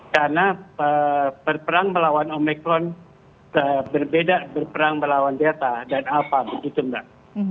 karena perang melawan omikron berbeda berperang melawan delta dan alpha begitu mbak